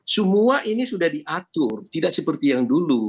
semua ini sudah diatur tidak seperti yang dulu